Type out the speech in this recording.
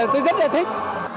tôi rất là thích